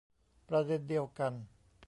ประเด็นเดียวกัน